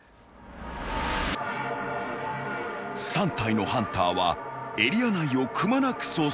［３体のハンターはエリア内をくまなく捜索］